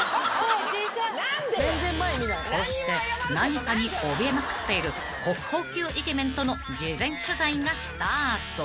［こうして何かにおびえまくっている国宝級イケメンとの事前取材がスタート］